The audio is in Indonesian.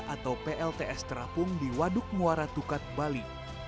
atau plts terapung di waduk muara tukat bali